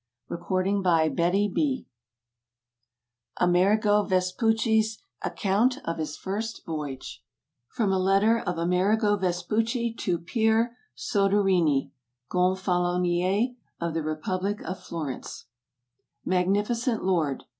THE EARLY EXPLORERS Amerigo Vespucci's Account of His First Voyage From a Letter of Amerigo Vespucci to Pier Sode rini, Gonfalonier of the Republic of Florence MAGNIFICENT LORD.